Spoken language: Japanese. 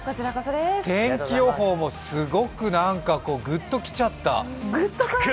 天気予報もすごくなんかこうぐっときちゃった。